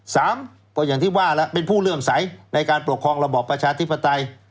สามก็อย่างที่ว่าแล้วเป็นผู้เลื่อมใสในการปกครองระบอบประชาธิปไตย